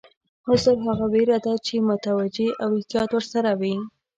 حذر هغه وېره ده چې متوجه یې او احتیاط ورسره وي.